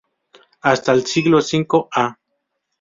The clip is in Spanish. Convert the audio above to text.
Hasta el siglo V a.